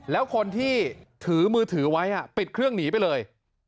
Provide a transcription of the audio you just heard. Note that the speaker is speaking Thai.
แล้วคนที่ถือมือถือไว้ปิดเครื่องหนีไปเลย